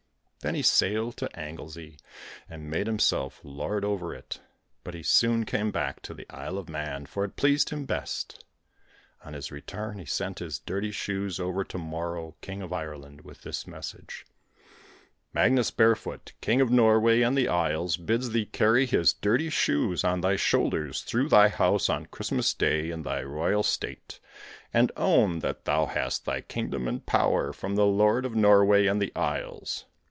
Then he sailed to Anglesey and made himself lord over it, but he soon came back to the Isle of Mann, for it pleased him best. On his return he sent his dirty shoes over to Morrough, King of Ireland, with this message: 'Magnus Barefoot, King of Norway and the Isles, bids thee carry his dirty shoes on thy shoulders through thy house on Christmas Day in thy royal state, and own that thou hast thy kingdom and power from the Lord of Norway and the Isles.